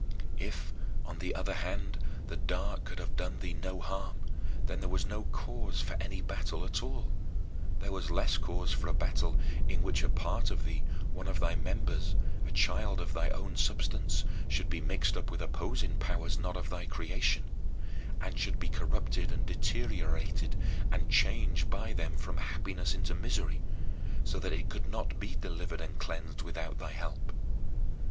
If, on the other hand, the dark could have done thee no harm, then there was no cause for any battle at all; there was less cause for a battle in which a part of thee, one of thy members, a child of thy own substance, should be mixed up with opposing powers, not of thy creation; and should be corrupted and deteriorated and changed by them from happiness into misery, so that it could not be delivered and cleansed without thy help.